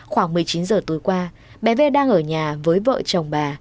khoảng một mươi chín giờ tối qua bé v đang ở nhà với vợ chồng bà